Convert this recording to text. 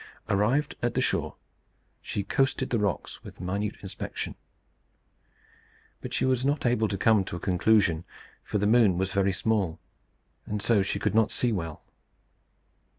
Arrived at the shore, she coasted the rocks with minute inspection. But she was not able to come to a conclusion, for the moon was very small, and so she could not see well.